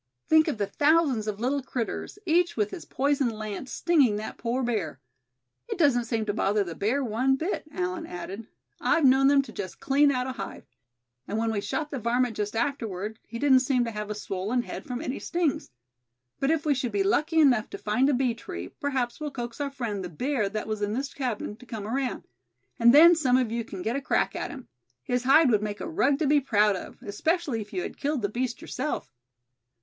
Think of the thousands of little critters, each with his poison lance, stinging that poor bear." "It doesn't seem to bother the bear one bit," Allan added. "I've known them to just clean out a hive; and when we shot the varmint just afterward, he didn't seem to have a swollen head from any stings. But if we should be lucky enough to find a bee tree, perhaps we'll coax our friend, the bear that was in this cabin, to come around; and then some of you can get a crack at him. His hide would make a rug to be proud of, especially if you had killed the beast yourself."